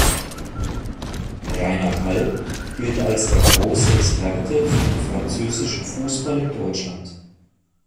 Rainer Kalb gilt als der große Experte für den französischen Fußball in Deutschland.